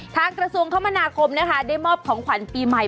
กระทรวงคมนาคมนะคะได้มอบของขวัญปีใหม่